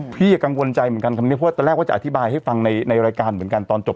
พี่ก็กังวลใจเหมือนกันตอนแรกก็จะอธิบายให้ฟังในรายการเหมือนกันตอนจบ